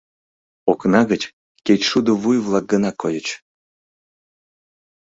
Окна гыч кечшудо вуй-влак гына койыч.